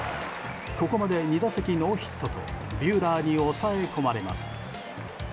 ここまで２打席ノーヒットとビューラーに抑え込まれます。